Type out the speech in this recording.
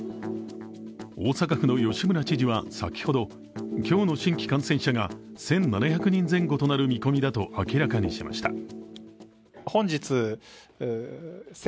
大阪府の吉村知事は先ほど今日の新規感染者が１７００人前後となる見通しだと明らかにしました。